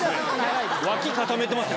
脇固めてますよ。